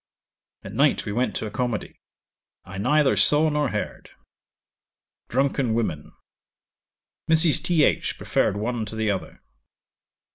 At night we went to a comedy. I neither saw nor heard. Drunken women. Mrs. Th. preferred one to the other.